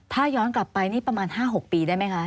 ถ้าย้อนกลับไปนี่ประมาณ๕๖ปีได้ไหมคะ